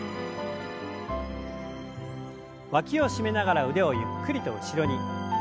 わきを締めながら腕をゆっくりと後ろに。